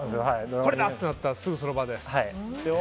これだってなったらすぐその場で。